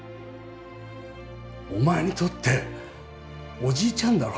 お前にとっておじいちゃんだろ？